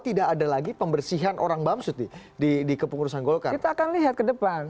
tidak ada lagi pembersihan orang bamsud di kepengurusan golkar kita akan lihat ke depan